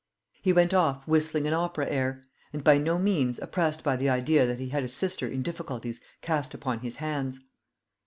He went off whistling an opera air, and by no means oppressed by the idea that he had a sister in difficulties cast upon his hands.